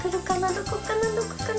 どこかなどこかな？